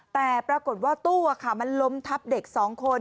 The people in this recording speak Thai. แต่ปรากฏว่าตู้มันล้มทับเด็ก๒คน